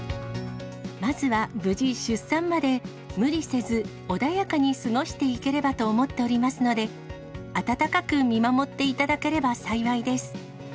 まずは無事出産まで無理せず穏やかに過ごしていければと思っておりますので、温かく見守っていただければ幸いです。